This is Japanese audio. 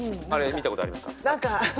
あれ見たことありますか？